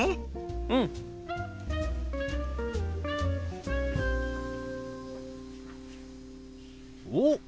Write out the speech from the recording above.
うん！おっ！